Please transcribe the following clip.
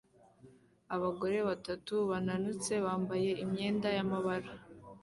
Abagore batatu bananutse bambaye imyenda y'amabara